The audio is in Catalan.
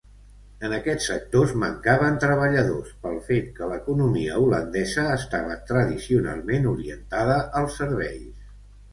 En aquests sectors mancaven treballadors pel fet que l'economia holandesa estava tradicionalment orientada als serveis.